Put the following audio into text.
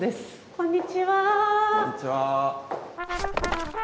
こんにちは。